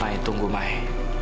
mai tunggu mai